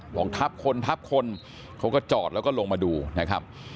หว่องทับคนเขาก็จอดเค้าลงมาดูนะครับ